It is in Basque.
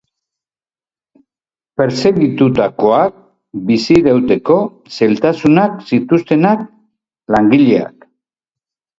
Pertsegitutakoak, bizirauteko zailtasunak zituztenak, langileak...